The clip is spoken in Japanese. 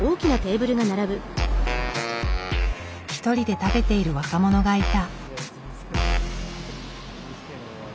一人で食べている若者がいた。